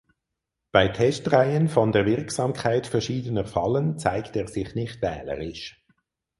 Bei Testreihen von der Wirksamkeit verschiedener Fallen zeigt er sich nicht wählerisch.